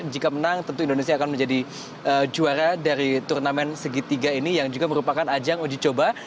jika menang tentu indonesia akan menjadi juara dari turnamen segitiga ini yang juga merupakan ajang uji coba